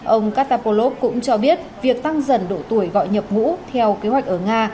ông katapolov cũng cho biết việc tăng dần độ tuổi gọi nhập ngũ theo kế hoạch ở nga